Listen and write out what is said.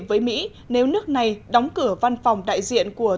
chúng em yêu thầy cô rất nhiều